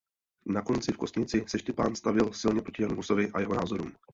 Na koncilu v Kostnici se Štěpán stavěl silně proti Janu Husovi a jeho názorům.